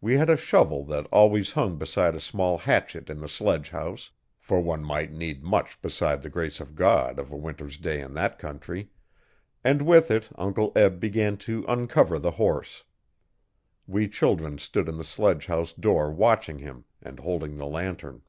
We had a shovel that always hung beside a small hatchet in the sledgehouse for one might need much beside the grace of God of a winter's day in that country and with it Uncle Eb began to uncover the horse. We children stood in the sledgehouse door watching him and holding the lantern.